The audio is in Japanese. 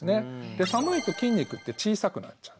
で寒いと筋肉って小さくなっちゃう。